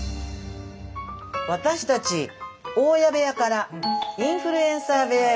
私たち大家部屋からインフルエンサー部屋への質問です。